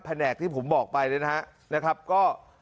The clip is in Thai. แผ่นแหกที่ผมบอกไปนะฮะนะครับก็